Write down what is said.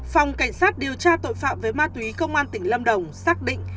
phòng cảnh sát điều tra tội phạm về ma túy công an tỉnh lâm đồng xác định